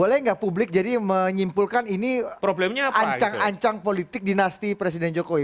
boleh nggak publik jadi menyimpulkan ini ancang ancang politik dinasti presiden jokowi